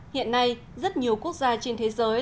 hiện nay rất nhiều quốc gia trên thế giới